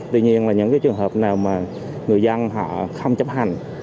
tuy nhiên là những cái trường hợp nào mà người dân họ không chấp hành